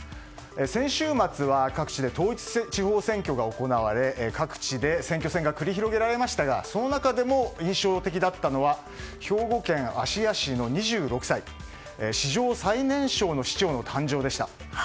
先週末は各地で統一地方選挙が行われ各地で選挙戦が繰り広げられましたがその中でも印象的だったのは兵庫県芦屋市の２６歳史上最年少の市長の誕生でした。